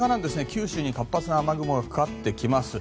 九州に活発な雨雲がかかってきます。